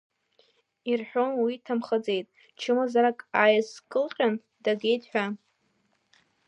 Ирҳәон уи дҭамхаӡеит, чымазарак ааизкылҟьан, дагеит ҳәа.